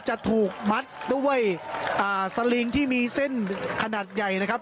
จะถูกมัดด้วยสลิงที่มีเส้นขนาดใหญ่นะครับ